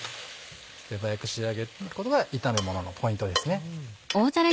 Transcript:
手早く仕上げることが炒めもののポイントですね。